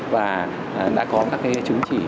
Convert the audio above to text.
và đã có các chứng chỉ